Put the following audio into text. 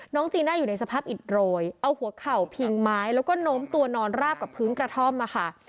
จีน่าอยู่ในสภาพอิดโรยเอาหัวเข่าพิงไม้แล้วก็โน้มตัวนอนราบกับพื้นกระท่อมอะค่ะ